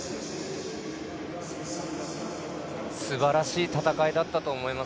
すばらしい戦いだったと思います。